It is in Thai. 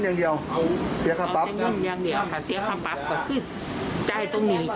ผมชิดทิศคุกเขาก็เผลอเลย